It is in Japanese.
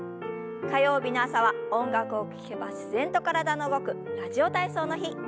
火曜日の朝は音楽を聞けば自然と体の動く「ラジオ体操」の日。